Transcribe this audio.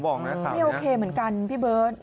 ไม่โอเคเหมือนกันพี่เบิร์ต